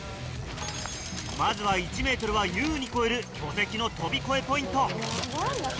まずは１ｍは優に超える巨石の跳び越えポイント。